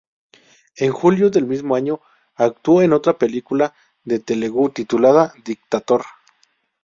En julio del mismo año actuó en otra película en telugu, titulada "Dictator".